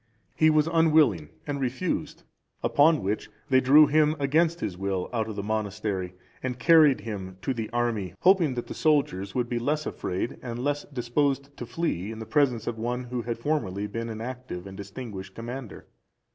He was unwilling and refused, upon which they drew him against his will out of the monastery, and carried him to the army, hoping that the soldiers would be less afraid and less disposed to flee in the presence of one who had formerly been an active and distinguished commander.